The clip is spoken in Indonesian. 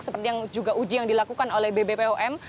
seperti yang juga uji yang dilakukan oleh bbpom